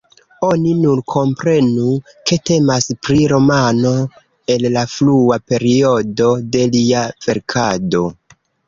Oni nur komprenu, ke temas pri romano el la frua periodo de lia verkado.